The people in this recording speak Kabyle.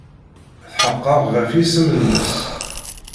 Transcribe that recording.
Tḥeqqeɣ ɣef yisem-nnes.